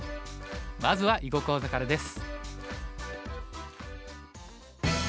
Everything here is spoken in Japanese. まずは囲碁講座からです。